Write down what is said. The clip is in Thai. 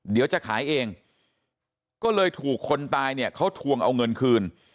เดี๋ยวจะขายเองก็เลยถูกคนตายเนี่ยเขาทวงเอาเงินคืน